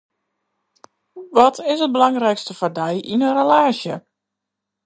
Wat is it belangrykste foar dy yn in relaasje?